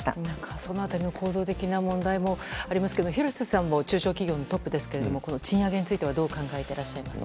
その辺りの構造的な問題もありますが廣瀬さんも中小企業のトップですけれども賃上げについてはどう考えていらっしゃいますか。